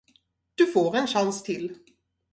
Du får en chans till.